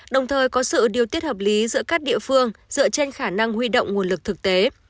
đồng thời có sự điều tiết hợp lý giữa các địa phương dựa trên khả năng huy động nguồn lực thực tế